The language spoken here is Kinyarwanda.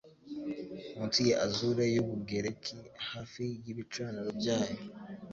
Munsi ya azure y'Ubugereki hafi y'ibicaniro byayo